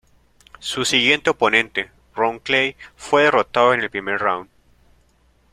Su siguiente oponente, Ron Clay, fue derrotado en el primer round.